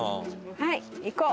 はい行こう！